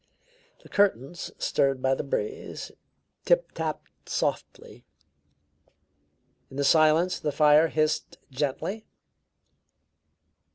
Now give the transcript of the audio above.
The curtains, stirred by the breeze, tip tapped softly; in the silence the fire hissed gently.